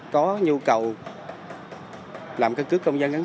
có nhu cầu làm cơ cước công dân